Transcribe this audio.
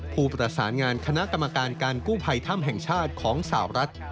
ผู้ประสานงานคณะกรรมการการกู้ภัยถ้ำแห่งชาติของสาวรัฐ